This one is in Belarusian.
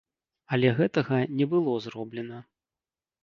Але гэтага не было зроблена.